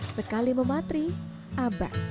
sekali mematri abas